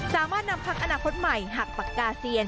สามารถนำพักอนาคตใหม่หักปากกาเซียน